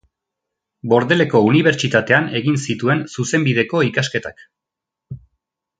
Bordeleko Unibertsitatean egin zituen Zuzenbideko ikasketak.